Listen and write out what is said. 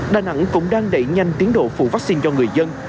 đà nẵng cũng đang đẩy nhanh tiến độ phủ vaccine cho người dân